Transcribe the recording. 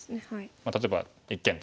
例えば一間トビ。